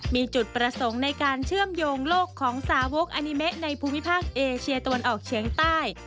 มีจุดประสงค์ในการเชื่อมโยงโลกของสาวกอานิเมะในภูมิภาคเอเชียตะวันออกเฉียงใต้